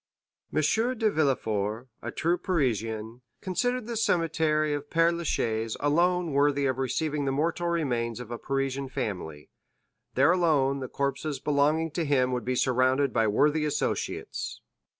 M. de Villefort, a true Parisian, considered the cemetery of Père Lachaise alone worthy of receiving the mortal remains of a Parisian family; there alone the corpses belonging to him would be surrounded by worthy associates.